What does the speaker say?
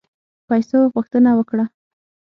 پیسو غوښتنه وکړه.